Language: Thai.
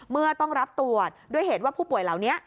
เมื่อต้องรับตรวจด้วยเหตุว่าผู้ป่วยเหล่านี้